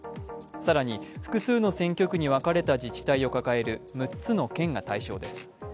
更に複数の選挙区に分かれた自治体を抱える６つの県が対象です